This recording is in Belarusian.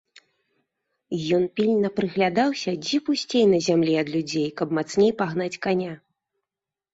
Ён пільна прыглядаўся, дзе пусцей на зямлі ад людзей, каб мацней пагнаць каня.